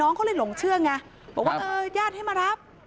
เขาเลยหลงเชื่อไงบอกว่าเออญาติให้มารับ